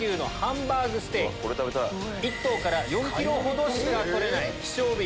１頭から４ｋｇほどしか取れない。